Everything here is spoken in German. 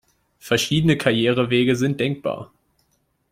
Verschiedene Karrierewege sind denkbar.